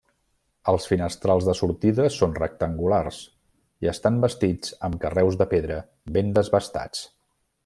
Els finestrals de sortida són rectangulars i estan bastits amb carreus de pedra ben desbastats.